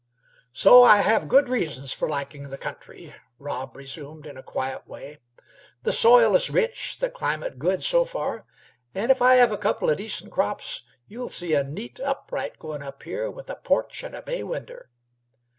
"So I have good reasons f'r liking the country," Rob resumed, in a quiet way. "The soil is rich, the climate good so far, an' if I have a couple o' decent crops you'll see a neat upright goin' up here, with a porch and a bay winder."